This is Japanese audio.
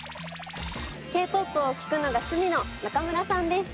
Ｋ−ＰＯＰを聴くのが趣味の中村さんです。